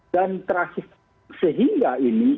dan terakhir sehingga ini